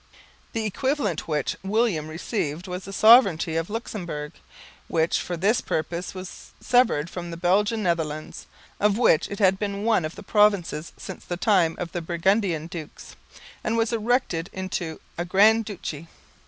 The equivalent which William received was the sovereignty of Luxemburg, which for this purpose was severed from the Belgian Netherlands, of which it had been one of the provinces since the time of the Burgundian dukes, and was erected into a Grand Duchy.